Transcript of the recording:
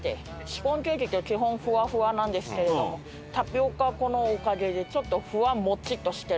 シフォンケーキって基本ふわふわなんですけれどもタピオカ粉のおかげでちょっとふわっモチッとしてるんですよ。